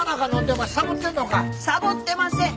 サボってません。